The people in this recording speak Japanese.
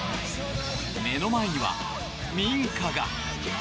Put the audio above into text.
目の前には民家が。